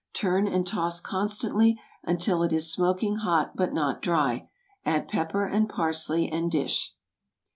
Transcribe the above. Turn and toss constantly until it is smoking hot but not dry; add pepper and parsley, and dish.